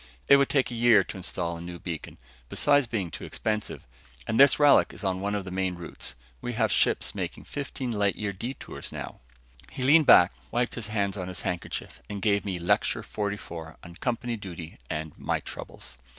"It would take a year to install a new beacon besides being too expensive and this relic is on one of the main routes. We have ships making fifteen light year detours now." He leaned back, wiped his hands on his handkerchief and gave me Lecture Forty four on Company Duty and My Troubles.